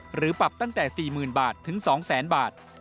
หรือปรับตั้งแต่๔๐๐๐บาทถึง๒๐๐๐บาท